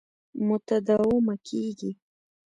متداومه کېږي.